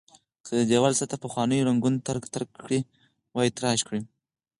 که د دېوال سطحه پخوانیو رنګونو ترک ترک کړې وي تراش کړئ.